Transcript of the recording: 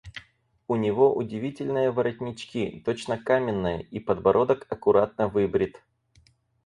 У него удивительные воротнички, точно каменные, и подбородок аккуратно выбрит.